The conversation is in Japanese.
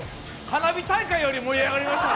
花火大会より盛り上がりました。